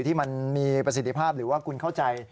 ที่มันมีประสิทธิภาพหรือว่าคุณเข้าใจ